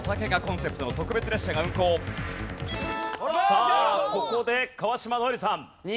さあここで川島如恵留さん。